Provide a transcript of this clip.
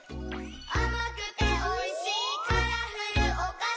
「あまくておいしいカラフルおかし」